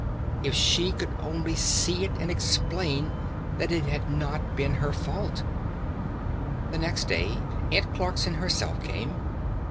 If she could only see it and explain that it had not been her fault! The next day Aunt Clarkson herself came.